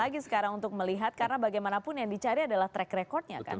saya ingin lagi sekarang untuk melihat karena bagaimanapun yang dicari adalah track recordnya kan